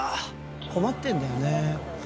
困ってんだよね